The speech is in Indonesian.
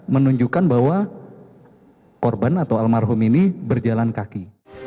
menunjukkan bahwa korban atau almarhum ini berjalan kaki